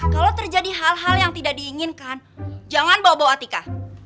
kalau terjadi hal hal yang tidak diinginkan jangan bawa bawa atika